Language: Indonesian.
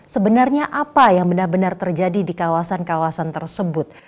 sebenarnya apa yang benar benar terjadi di kawasan kawasan tersebut